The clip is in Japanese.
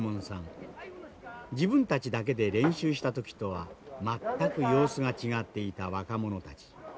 自分たちだけで練習した時とは全く様子が違っていた若者たち。